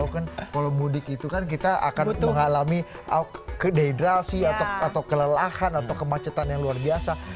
kalau mudik itu kan kita akan mengalami kedeidrasi atau kelelahan atau kemacetan yang luar biasa